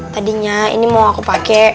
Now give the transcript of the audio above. tadinya ini mau aku pakai